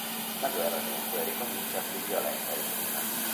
La guerra, dunque, ricomincia più violenta di prima.